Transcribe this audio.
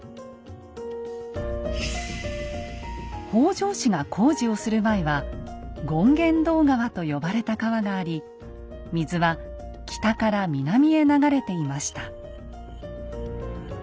北条氏が工事をする前は権現堂川と呼ばれた川があり水は北から南へ流れていました。